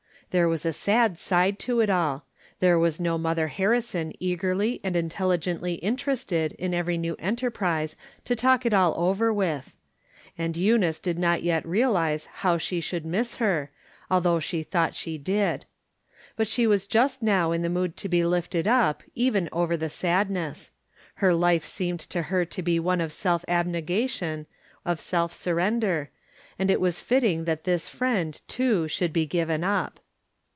There was a sad side to it all. There was no Mother Harrison eagerly and intelligently inter ested in every new enterprise to talk it all over with. And Eunice did not yet realize how she should miss her, although she thought she did. But she was just now in the mood to be lifted up, even over the sadness. Her life seemed to her to be one of self abnegation, of self surrender, and it was fitting that this friend, too, should be given up.